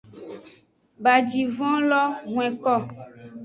Bajivon lo hwenko.